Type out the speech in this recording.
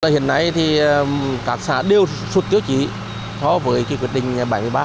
hiện nay thì các xã đều xuất tiêu chí so với quyết định bảy mươi ba